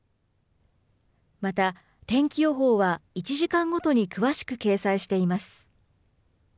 また、天気予報は１時間ごとに詳しく掲載しています。